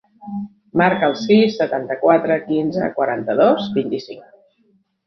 Marca el sis, setanta-quatre, quinze, quaranta-dos, vint-i-cinc.